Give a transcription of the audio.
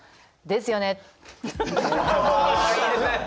「ですよね！」。